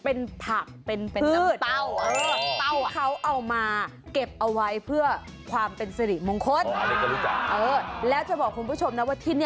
โอ้น้ำเต้าปูปลานี่